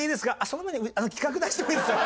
「その前に企画出してもいいですか？」。